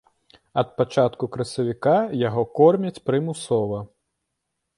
Ад пачатку красавіка яго кормяць прымусова.